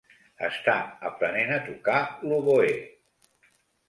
Està aprenent a tocar l'oboè.